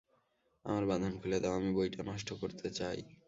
আমার বাঁধন খুলে দাও, আমি বইটা নষ্ট করতে চাই।